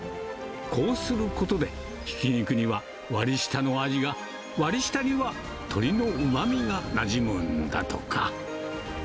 こうすることで、ひき肉には割り下の味が、割り下には鶏のうまみがなじむんだとか。